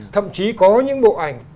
thậm chí có những bộ ảnh